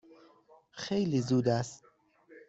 خیلی زود است.